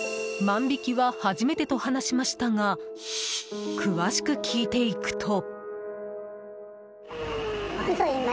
万引きは初めてと話しましたが詳しく聞いていくと。